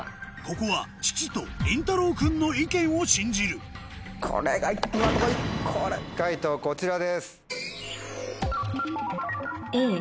ここは父とりんたろう君の意見を信じる解答こちらです。